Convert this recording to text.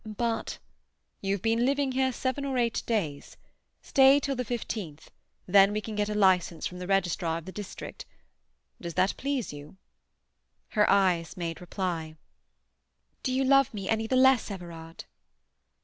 But—" "You have been living here seven or eight days. Stay till the fifteenth, then we can get a licence from the registrar of the district. Does that please you?" Her eyes made reply. "Do you love me any the less, Everard?"